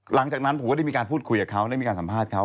หลังจากนั้นผมก็ได้มีการพูดคุยกับเขาได้มีการสัมภาษณ์เขา